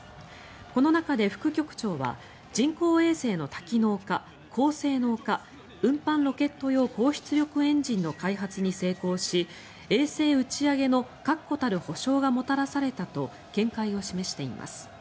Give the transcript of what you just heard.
この中で副局長は人工衛星の多機能化、高性能化運搬ロケット用高出力エンジンの開発に成功し衛星打ち上げの確固たる保証が持たされたと見解を示しています。